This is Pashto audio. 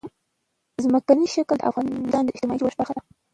ځمکنی شکل د افغانستان د اجتماعي جوړښت برخه ده.